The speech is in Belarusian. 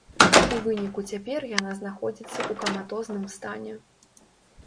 У выніку цяпер яна знаходзіцца ў каматозным стане.